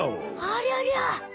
ありゃりゃ！